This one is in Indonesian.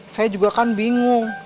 saya juga kan bingung